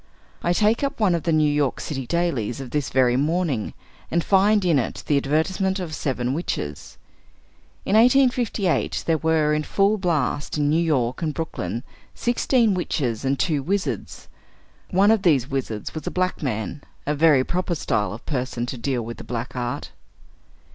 I take up one of the New York City dailies of this very morning, and find in it the advertisements of seven Witches. In 1858, there were in full blast in New York and Brooklyn sixteen witches and two wizards. One of these wizards was a black man; a very proper style of person to deal with the black art.